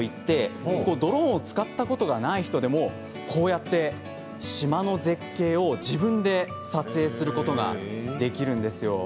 ドローンを使ったことがない人でもこうやって島の絶景を自分で撮影することができるんです。